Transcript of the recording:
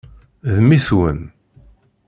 D mmi-twen.